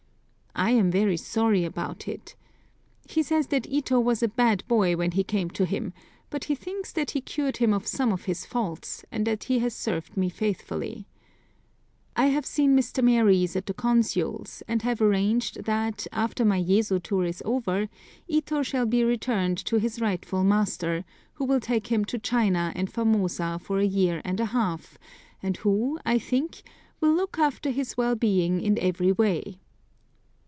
I am very sorry about it. He says that Ito was a bad boy when he came to him, but he thinks that he cured him of some of his faults, and that he has served me faithfully. I have seen Mr. Maries at the Consul's, and have arranged that, after my Yezo tour is over, Ito shall be returned to his rightful master, who will take him to China and Formosa for a year and a half, and who, I think, will look after his well being in every way.